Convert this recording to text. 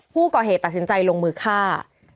ผู้ก่อเหตุตัดสินใจลงมือฆ่า